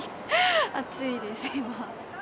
暑いです、今。